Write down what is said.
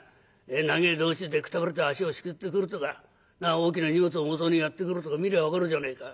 長え道中でくたびれて足を引きずってくるとか大きな荷物を重そうにやって来るとか見りゃ分かるじゃねえか。